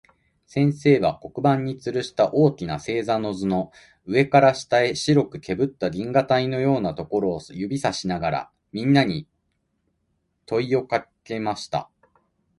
先生は、黒板に吊つるした大きな黒い星座の図の、上から下へ白くけぶった銀河帯のようなところを指さしながら、みんなに問といをかけました。